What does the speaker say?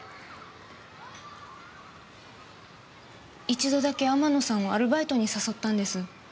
一度だけ天野さんをアルバイトに誘ったんです。